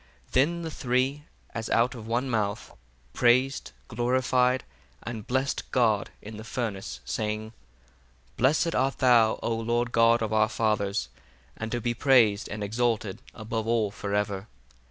28 Then the three, as out of one mouth, praised, glorified, and blessed, God in the furnace, saying, 29 Blessed art thou, O Lord God of our fathers: and to be praised and exalted above all for ever.